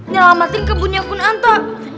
nyelamatin kebunnya kun anta